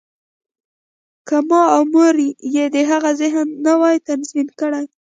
که ما او مور یې د هغه ذهن نه وای تنظیم کړی